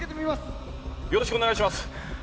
よろしくお願いします。